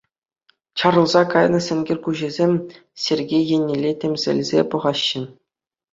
Чарӑлса кайнӑ сенкер куҫӗсем Сергей еннелле тӗмсӗлсе пӑхаҫҫӗ.